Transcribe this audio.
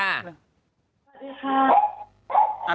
สวัสดีค่ะ